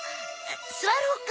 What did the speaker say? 座ろうか。